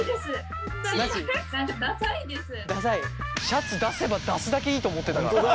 シャツ出せば出すだけいいと思ってたからね。